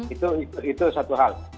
itu satu hal